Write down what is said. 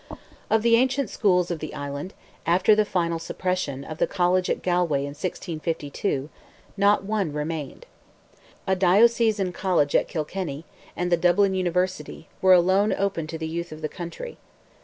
Of the ancient schools of the island, after the final suppression of the college at Galway in 1652, not one remained. A diocesan college at Kilkenny, and the Dublin University, were alone open to the youth of the country.